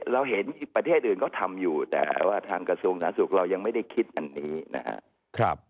เราเห็นประเทศอื่นเขาทำอยู่แต่ว่าทางกระทรวงสาธารณสุขเรายังไม่ได้คิดอันนี้นะครับ